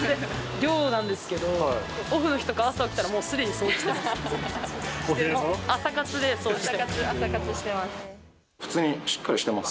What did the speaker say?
寮なんですけど、オフの日とか朝起きたら、もうすでに掃除してます。朝活してます。